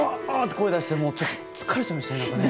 声を出して疲れちゃいました。